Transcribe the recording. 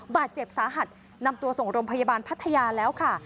บาดเจ็บสาหัสนำตัวส่งโรงพยาบาลพัทยาแล้วค่ะ